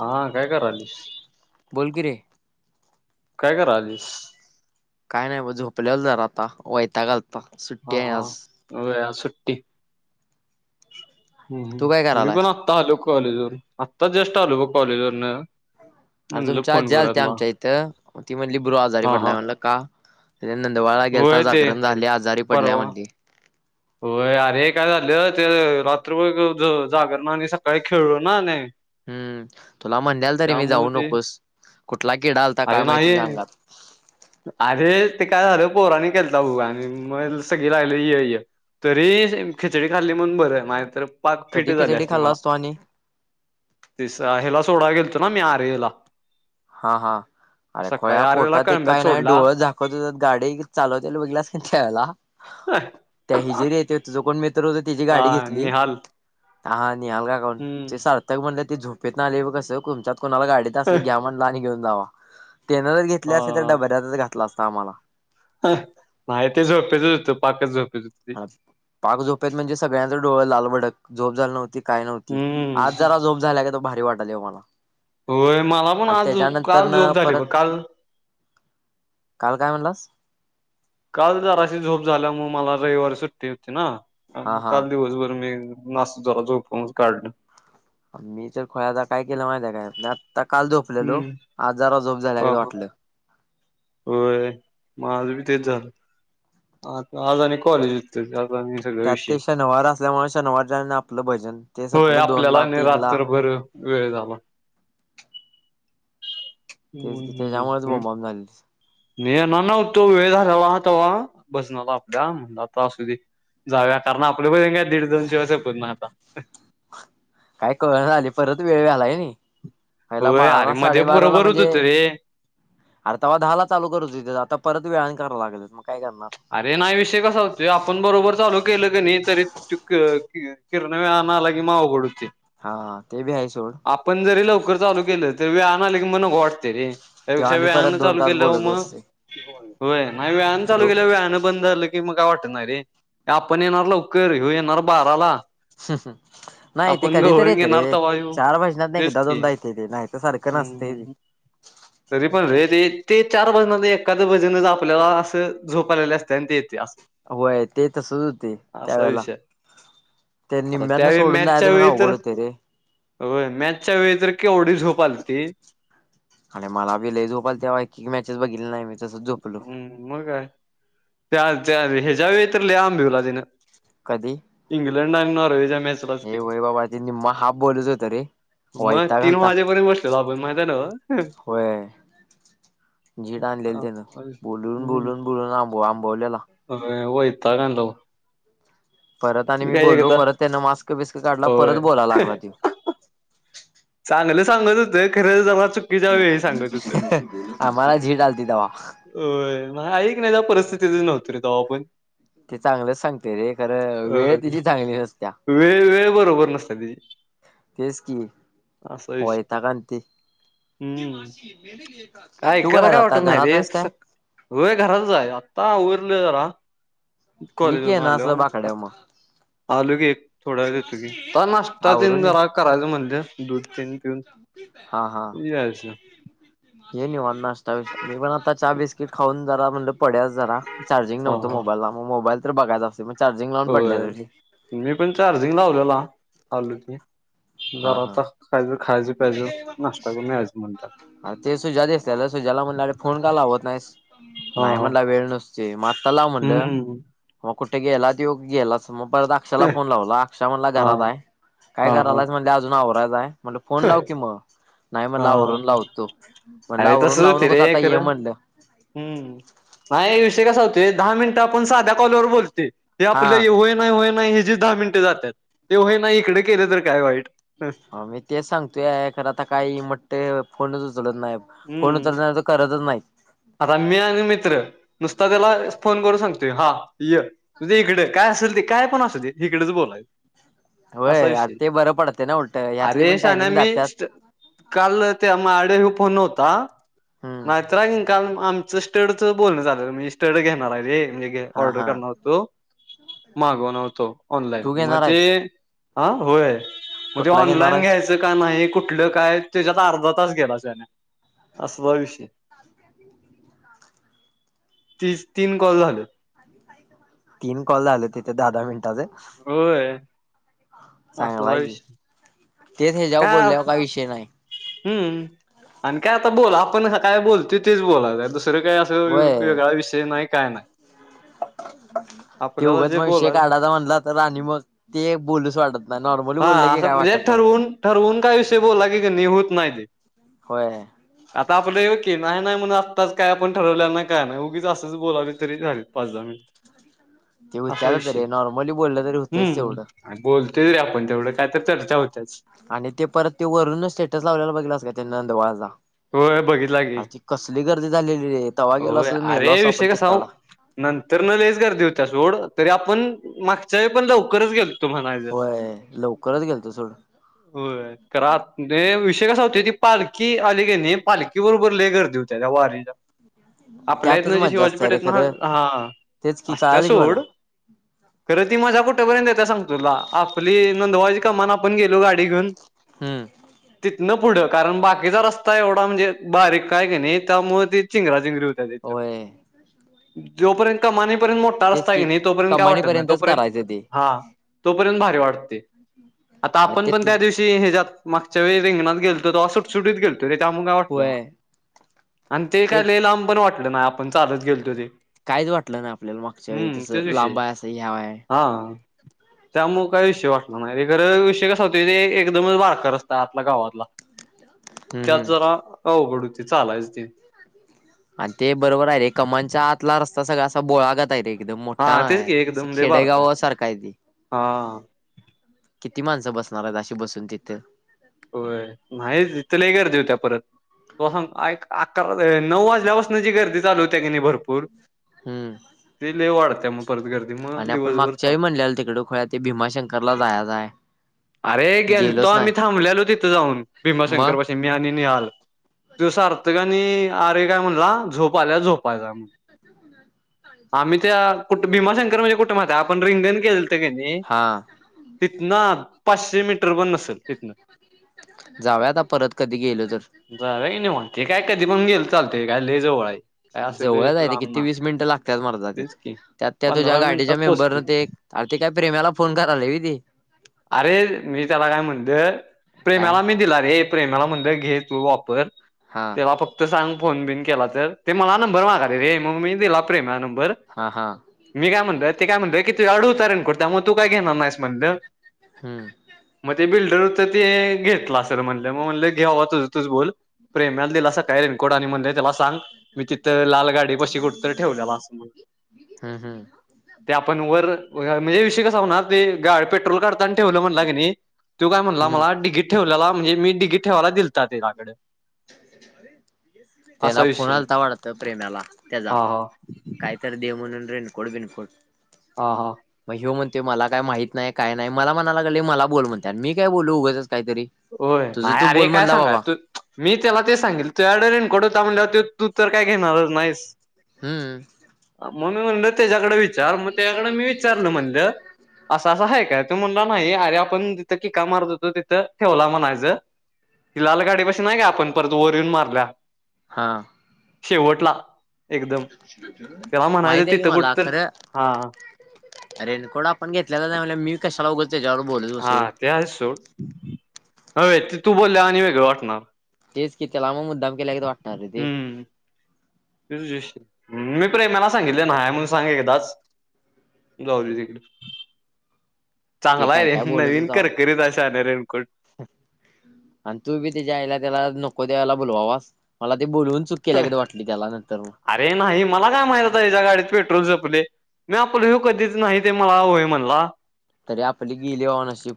हा काय करालीस? बोल की रे. काय करालीस? काय नाही ब्वा झोपलेलो जरा आता, वयताग आल्ता, सुट्टी आय आज. व्हय आज सुट्टी हुं तू काय हुं मी पण करायलायस आत् आता आलो कॉलेजवरुण, आत्ता जस्ट आलो ब कॉलेजवरनं. अरे तुमच्या आजी आल्ती आमच्या इथं, म ती म्हणली ब्रो आजारी हा हा पडलाय म्हणलं का? त्या नंदवाळा गेल्ता होय ते जागरण झाली आजारी पडल्याय परवा म्हणली. होय अरे काय झालं ते रात्रभर ज जागरना आणि सकाळी खेळलो ना आनी. हम्म तुला म्हणल्याल तरी मी जाऊ ते नकोस, कुठला किडा आल्ता अरे काय माईत नाही तुझ्या अंगात. अरे ते काय झालं पोरानी केल्ता भाऊ आणि म सगळी राईली य-य. तरी खिचडी खाल्ली म्हणून बरंय माझ तर पाक फिट कधी झाली खिचडी असती मला. खाल्लास तू आणि तिस हेला सोडाय गेल्तो ना मी आर्यला. हा हा अरे सकाळी खुया आर्याला पोटात एक काय कळंब्यात का नाय सोडला डोळं झाकवत होतत गाडी चालवते हा [unintelligible] त्या हिजेडी येतेत तुझं कोण मित्रं होतं तेची गाडी घेतली, निहाल [unintelligible] ते हम्म साथर्क म्हणले ते झोपेतनं आलेय ब कसं कोमच्यात कोणाला गाडीत अस घ्या म्हण् लाणी घेऊन जावा तेनं, जर घेतले असती तर हा डबऱ्यातच घातला असता आम्हाला नाही ते, झोपेतच होतं पाकच झोपेत पाक झोपेत डोळ लालबडक, झोप झालं नव्हती काय नव्हती. हम्म आज जरा झोप झालागट गद तो भारी वाटली हो मला होय मला पण आणि आज त्याच्यानंतर काल, जॉब न झाली परत ब काल काल काय म्हणलास? काल दराशी झोप झाल्यामुळे, मला रविवारी सुट्टी होती ना, हा मग हा काल दिवसभर मी. [unintelligible] जरा जोपुनच काढलं. मी तर खोया काय केलं माहिती आहे, काय आता काल झोपलेलो हम्म आजार झोप झाल्या हा गत हा वाटलं. होय, माझं बी तेच झालं. आज आणि कॉलेज होत त्यात आणि. सगळा त्यात विषय ते शनिवार असल्यामुळे शनिवार, ज आपलं भजन ते होय सोपलं दोन आपल्याला ला, आणि तीन ला रात्रभर वेळ झाला. तेच की त्याच्यामुळेच बोंबाबोंब झालेली. मी येणार नव्हतो, वेळ झाले ला तवा. [unintelligible] आपल्या म्हण आता असू दे, जाव्या कारण आपल्या पण दीड दोन शिवाय सपट नाही आता. काय कळेल झालीय परत वेळ झालाय कणी नाही पहिला होय अरे बारा मध्ये पोरं साडेबाराला बरं म्हणजे. होत रे अरे तवा दहाला चालू करू होतीत, आता परत वेळाने कराव लागलत, मग काय करणार. अरे नाही विषय कसा होतोय, आपण बरोबर चालू केलं क नाही तरी. [unintelligible] आला की मग अवघड होते [unintelligible] हा, ते बी आहे सोड. आपण जरी लवकर चालू केलं, तरी वेळ आणले की म नको वाटते रे. त्यो त्यापेक्षा आणि परत वेळानं दोन चालू तास केल्यावर बोलत मग, बसतोय होय नाही व्याहन चालू ब्रो के वेळानं बंद झालं की मग काय वाटत नाही रे आपण येणार लवकर हेव येणार बाराला [inaudible] नाही ते आपण कधीतरी गवळण येते रे, घेणार तवा ह्यो चार वर्षातनं तेच एकदा की दोनदा येते ते नाहीत सारखं हम्म नसतय. तरी पण रे, ते ते चार भजना एखाद्या भजनच आपल्याला असं झोपालेले असते आणि ते येते अस. होय ते तसच होतय, त्यावेळेला विषय ते आता निम्म्यातन त्यावेळी सोडून जायच म्हणजे अवघड होतय रे, हो मॅचच्या वेळेला तर की एवढी झोप आलीती. आणि मला बी लई झोप‌ आलती, तेव्हा एक मॅचेस बघितली नाही मी तसच झोपलो. हम् मग काय त्या त्या ह्याच्या वेळी तर लई आंबिवला तिनं. कधी इंग्लंड, नॉर्वेच्या, हे मॅचलासकी. होय बाबा ते निम्मा हाफ बॉलच होत रे मग वैताग तीन आलता वाजेपर्यंत बसलेलो आपण, माहिती नाव. होेय. झीड आणलेली त्यानं, बोलून हम्म बोलून बोलून आब आंबवलेला. होय वैताग आणला बघ. परत आणि मी काय बोललो, एकदा परत त्यांन मास्क बिस्क काढला, होय परत बोला लागला तेव. चांगलं सांगत होत, खरं चुकीच्या वेळी सांगत होतं आम्हाला जिड आलती तवा. वय, ऐकण्याच्या परिस्थितीत नव्हत रे तवा पण. ते चांगलंच सांगते रे, खरं वेळ अ, तिची चांगली नसत्या. वेळ वेळ बरोबर नसते तिची. तेच की वैताग आणती. हम्म [unintelligible] काय तू ऐकायला काय कुठेस आता वाटत नाही घरात रे आहेस का? सक- होय घरातच आहे आत्ता आवरल जरा ये की कॉलेजून येन आलो. असलं बाकड्या मग आलू की थोड्या देतो की नाशता तिन आवरून ये जरा करायचं म्हण. तेन पिऊन. हे निव नाष्टताविष मी पण आता चहा बिस्किट खाऊन जरा म्हणजे पडाव जरा. चार्जिंग हा नव्हतं हा मोबाईला मग मोबाईल तर बघायच असते मग चार्जिंग लाव पडलं होय तरी. मी पण चार्जिंग लावलेलाल आलोच मी. हा हा घरात खज खायच पाहिज नाश्ता करून याच म्हणट त्याला सुज्याला म्हण फोन कला हवत नाहीस. हा नाही हा म्हणला वेळ नसती मग आत्ता लाव म्हणलं. हम्म मग कुठे गेला त गेला मग परत अक्षाला फोन लावला अक्षा म्हणला. हा घरात आहे काय हा हा करायला म्हण अजून आवरायचं आहे म्हण फोन लाव की मग. नाही हा मणलावरून लावतो. म्हणलं अरे आवरून तसं लावू होते नकोस रे आता ये खरं. म्हणलं हम्म नाही विषय कसा होते दहा मिनिटं आपण साध्या कॉलवर बोलतेय. ते आपल्या हा होय नाही होय नाही हे जे दहा मिनटे जातात ते होय नाही इकडे केले तर काय वाईट. हो मी तेच सांगतोय खरं आता काही म्हटते फोनच उचलत नाही. कोणी हम्म तर तर करतच नाही. आता मी आणि मित्र नुसता त्याला फोन करून सांगतोय हा य तुझे इकडें काय असेल ते काय पण असू दे इकडेच बोलाय. असा होय विषय अरे ते बरं पडतंय ना उलट ह्यातली पण अरेशना टायमिंग मी. जात्यात काल ते आड ह फ नव्हता हम्म नाहीतर. काल आमचं स्टडच बोलण झालं स्टड घेणार म्हजे. हा ऑर्डर हा करण होतो मागवण होतो ऑनलाईन तू मग घेणार आहेस? ते. हा होय म्हणजे कुठला घेणार ऑनलाईन आहेस? घ्यायचं. का नाही कुठलं काय त्याच्यात अर्धा तास गेला त्याने असवा विषय. तीच तीन कॉल झालं. [inaudible] तीन कॉल झाले तिथे दहा दहा मिनिटाचे. होय. सांगा असला भाहिजे विषय तेच हे जाऊ बोलले का विषय नाही. हम् आणि काय आता बोला आपणं काय बोल त तेच बोला दुसरं काय अस. होय वेगळा विषय नाही काय नाही. ते आपल्याला उघंच जे मग विषय बोलायच काढायचा म्हणला तर आणि मग ते बोलूच वाटत. नाही नॉर्मली बोललं की हा काय म्हणजे वाटत नाही. ठरवून ठरवून काही विषय बोला की होत नाय ते. होय आता आपलं हे की नाही म्हणून आत्ताच काय आपण ठरवल्या ना काय नाही उगीच असंच बोलावली तरी झाले पाच द मिन [unintelligible] ते होते आ तरी नॉर्मली बोललं तरी होतेच तेवढं. आणि बोलतोरी आपण तेवढं काय तर चर्चा होत. आणि ते परत ते वरूनच स्टेटस लावलेला बघेलस का त्यानी नंदवाळाचा. होय बघितला की. अर त कसली गर्दी झालेली र तवा्हा गेलो होय असो अरे मेलो असो विषय आपण कसा चेताडा. नंतर न लेस गर देवता सोड तरी आपण मागच्या व पण लवकरच गेलो. होय लवकरच गेल तो सोड. आ विषय कसा होत की पालखी आली गे नाही पालखी बरोबर ल गर्दी होते त्या वारीच्या. आपल्या येत त्यातच ना जे मज्जा असते शिवाजीपेठ रे येत ना खरं हा तेच की असत्या कळालं की मला सोड. खरं ती माझा कुठेपर्यंतता सांग तुला आपली नोंदवायची कामान आपण गेलो गाडी घेऊन. हम्म. तिथनं पुढं कारण बाकीचा एवढा म्हणजे बारीक काय नाही त्यामुळे ते. चिंगराजिंगरी होत्या तथ होय. त्योपर्यंत कमानी व तेच असता की नाही तोपर्यंत काय वाटत नाही कमानीपर्यंतच तोपर्यंत करायचं ते हा. तोपर्यंत भारी वाटते आता आणि आपण ते पण त्या दिवशी ह्याच्यात मागच्या वेळी रिंगणात गेलो. सुटीत गेलतो त्यामु वाटलं होय आणि ते कायिलं पण वाट. आपण चालच ते. काहीच वाटलं ना आपल्याला मागच्या वेळी हम्म तसं तेच विषय लांबबा असं ह्यावाय. हा. त्यामुळे काही विषय वाटणार नाही र खर विषय कसा होत ते एकदमच बारकर रस्ताये आपल्या गावातला हम् त्यात हम् जरा अवघड होती चालायच तेन. आणि ते बरोबर आहे रे कमांच्या आतला रस्ता सगळा असा बोळागत आहे रे. एकदम मोठा हा नाय तेच आहे की असं एकदम लय बारका खेडेगाव सारखा आहे ते. हा किती माणसं बसणार आहेत अशी बसून तिथं. होय नाही तथ लय गर्दी होत्या परत. तो अकरा नऊ वाजल्यापासून जी गर्दी चालू होते कने भरपूर हम्म ती लय वाढत्या मग परत गर्दी मग आणि आपण दिवसभर मागच्या चालू वेळी म्हणले तिकड खुळ्या ते भीमाशंकरला जायचय. अरे गेल तो आम्ही थांबलेलो तिथं जाऊन मग भीमाशंकर. मी आणि निहाल तसारथ का आणि अर्य काय म्हणला झोपा आल्या झोपायचा म्हण. आम्ही त्या कु भीमा शंकर म्हणजे कुठ माहिते आपण रिंगन गेल नाही हा तिथन आत पाचशे मीटर पण नसेल तिथन जाव्या आता परत कधी गेलो तर. जाऊया की निवांत म्हणते काय कधी पण गेल चालते काय ल जवळ आहे. काय असं लय जवळच आहे ते लांब नाय किती वीस मिनिटं लागतात. तेच की त्यात त्या तुझ्या पंधरा मिनिटात गाडीच्या मेंबर पोचते न ते आ ते काय प्रेम्याला फोन कराला व्हयते. अरे मी त्याला काय म्हणदं काय प्रेमाला मी दिलरे प्रेमाला म्हणल घे तू वापर हा. त्याला फक्त सांग फोन बिन केला ते मला हा नंबर मागा र रे मग मी प्रेम चा हा नंबर. हा हा. मी काय म्हणतय ते काय म्हणतय की तु तुझ्याकड होता रेन कोट त्यामुळ तू काय घेणार नाहीस म्हणलं. हम्म. मग ते बिल्डर हो तर ते घेतला असेल म्हटलं मग म्हटलं घ्याव तुझ तूच बोल. प्रेम्याला दिल असं काय रेकट आणि म्हणे त्याला सांग. मी तिथं लाल गाडी कशी कुठ तर ठेवल्या आसल. हम् हम्. ते आपण वर म्हणजे विवषय कस होणार ते गा पेट्रोल काढत. ठेवलं म्हणला की तो काय म्हणला हम्म. मला डिगीकीत ठेवलेला म्हणजे मी डगीकीत ठेवायला दिलतात त्याच्याकडे. असा त्याला फोन विषय आलता वाढत प्रेमाला त्याचा हा हा काय. तर दे म्हणून रेनकोट बिनकोट. ह हा. मग ह्यो म्हणतो मला काय माहीत नाही काय नाही मला म्हणाय लागलं मला बोल म्हणते आणि मी काय बोलू उगंच काहीतरी. होय तुझं नाही तू अरे बोल काय म्हणला सांगा बाबा तू मी त्याला ते सांगीतल तू. रेनकोट होता म्हणल्यावर तू तर काय घेणार नाहीस हम्म म्हणून म्ह त्याच्या्याकड विचार मग त्याच्याकड मी विचारलं म्हणलं. असं असं आहे काय तो म्हणला नाही अरे आपण तिथं कीका मारत होतो तिथं ठेवला म्हणायच ति लाल गाडीपाशी नाही का आपण परत वर येऊन मारल्या हा शेवटला एकदम तेला माहित म्हणायचं आहे की तिथं मला कुठ तर खरं हा रेनकोट आपण घेतलेला नाही म्हणल्यावर मी कशाला उगाच त्याच्याबरोबर बोलत हा बसू ते आहे सोड होय ते तू बोलल्यावर आणि वेगळं वाटणार तेच की त्याला मग मुद्दाम केल्यागत वाटणार रे ते हम्म मी प्रेमाला सांगितलय नाहीये म्हणून सांग एकदाच जाऊ तिकडे ते चांगला आहे काय रे काय बोलतच नवीन जावा करकरीत आहे शहाण्या रेनकोट आणि तू बी त्याच्या आईला त्याला नको द्यायला बोलवावास मला ते बोलवून चुकी केल्यागत वाटली त्याला नंतर मग अरे नाही मला काय माहित याच्या गाडीत पेट्रोल संपलय. मी आपलं कधीच नाय त्यो हो म्हणला तरी आपली गेली बाबा नशीब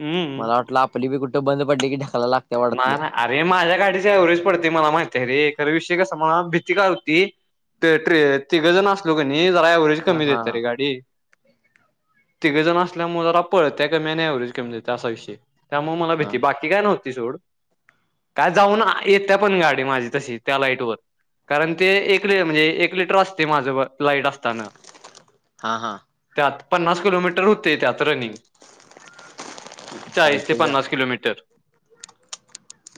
हम्म मला वाटलं आपली बी कुठ बंद पडली की ढकलाय लागत्या वाटलं. नाय नाय नअरे माझ्या गाडीची एव्हरेज पडते मला माहिती आहे खरं विषय कस मला भीती का होती ते तिघेजण असलो की नाही जरा एवरेज हा कमी हा देते रे गाडी तिघेजण असल्यामुळे जरा पळत्या कमी आणि एव्हरेज कमी देत्या असा विषय त्यामुळे मला हा भीती बाकी काय नव्हतं सोड काय जाऊन येत्या पण गाडी माझी तशी त्या लाईट वर कारण ते एक लि म्हणजे एक लिटर असते माझं लाइट असताना हा हा त्यात पन्नास किलोमीटर होतय त्यात रनिंग चाळीस ते चालतंय जा. पन्नास किलोमीटर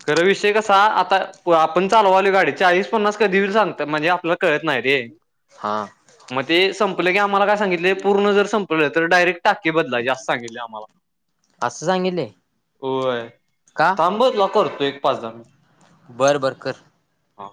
खरं विषय कसा आता आपण चालवालोय गाडी चाळीस पन्नास कधी बी सांगते आपल्याला कळत नाय रे हा मग ते संपलं की आम्हाला काय सांगितले पूर्ण जर संपलं तर डायरेक्ट टाकी बदलायची असं सांगितलं आम्हाला असं सांगितलंय होय का? थांब अ करतो तुला एक पाच दहा बरं बरं कर हा